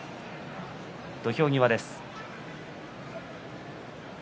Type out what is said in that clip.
土俵際です。